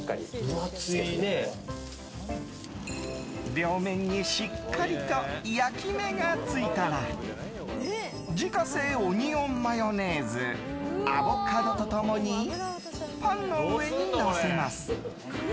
両面にしっかりと焼き目がついたら自家製オニオンマヨネーズアボカドと共にパンの上にのせます。